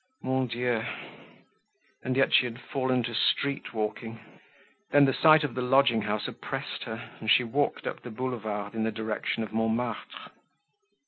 Mon Dieu! and yet she had fallen to street walking. Then the sight of the lodging house oppressed her and she walked up the Boulevard in the direction of Montmartre.